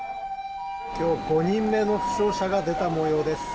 今日５人目の負傷者が出た模様です。